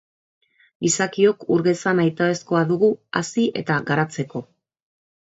Gizakiok ur geza nahitaezkoa dugu hazi eta garatzeko.